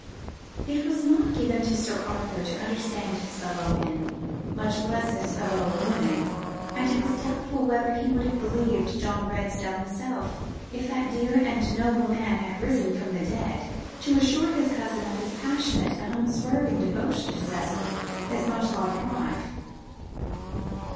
It was not given to Sir Arthur to understand his fellow men, much less his fellow women; and it is doubtful whether he would have believed John Redesdale himself, if that dear and noble man had risen from the dead, to assure his cousin of his passionate and unswerving devotion to Cicely, his much loved wife.